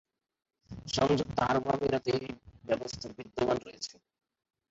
সংযুক্ত আরব আমিরাতে এই ব্যবস্থা বিদ্যমান রয়েছে।